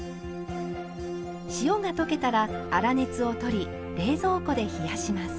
塩が溶けたら粗熱を取り冷蔵庫で冷やします。